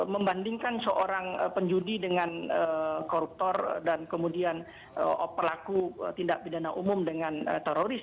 membandingkan seorang penjudi dengan koruptor dan kemudian pelaku tindak pidana umum dengan teroris